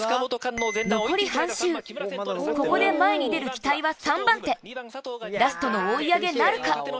ここで前に出る北井は３番手ラストの追い上げなるか？